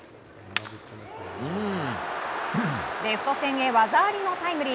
レフト線へ技ありのタイムリー。